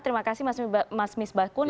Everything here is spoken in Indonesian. terima kasih mas mis bakun